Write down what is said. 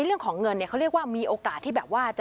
คือเราเนี่ยนะค่ะ